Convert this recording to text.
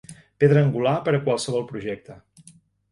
Pedra angular per a qualsevol projecte.